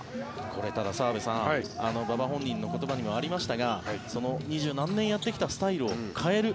これ、ただ、澤部さん馬場本人の言葉にもありましたが２０何年やってきたスタイルを変える。